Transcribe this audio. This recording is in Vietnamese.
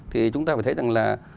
thì chúng ta phải thấy rằng là